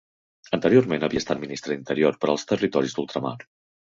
Anteriorment havia estat ministra d'Interior per als Territoris d'Ultramar.